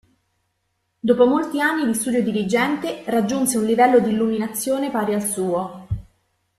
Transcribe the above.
Dopo molti anni di studio diligente raggiunse un livello di illuminazione pari al suo.